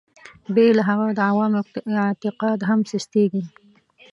بې له هغه د عوامو اعتقاد هم سستېږي.